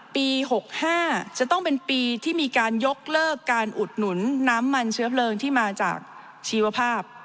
ปี๖๕จะต้องเป็นปีที่มีการยกเลิกการอุดหนุนน้ำมันเชื้อเพลิงที่มาจากชีวภาพ